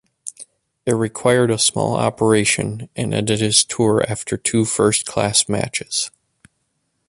It required a small operation and ended his tour after two first class matches.